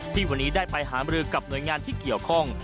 ที่วันนี้ได้ไปหามรือกับหน่วยงานที่เกี่ยวข้อง